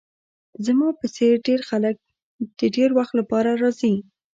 زما په څیر ډیر خلک د ډیر وخت لپاره راځي